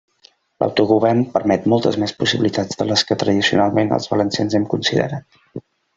L'autogovern permet moltes més possibilitats de les que tradicionalment els valencians hem considerat.